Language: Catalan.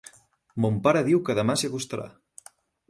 Mon pare diu que demá s'hi acostarà